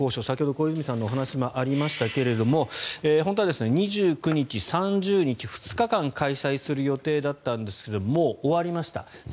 先ほど小泉さんのお話にもありましたが本当は２９日、３０日２日間開催する予定だったんですがもう終わりました。